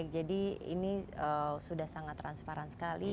jadi ini sudah sangat transparan sekali